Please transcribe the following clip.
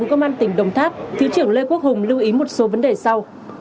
công an tỉnh đồng tháp thứ trưởng lê quốc hùng lưu ý một số vấn đề sau